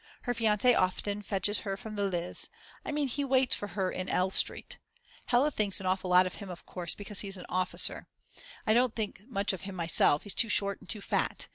Her fiance often fetches her from the Lyz, I mean he waits for her in L. Street. Hella thinks an awful lot of him of course, because he's an officer. I don't think much of him myself, he's too short and too fat.